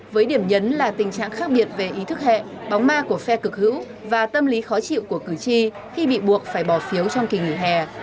với điểm nhấn là tình trạng khác biệt về ý thức hẹn bóng ma của phe cực hữu và tâm lý khó chịu của cử tri khi bị buộc phải bỏ phiếu trong kỳ nghỉ hè